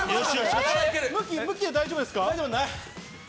向きは大丈夫ですか？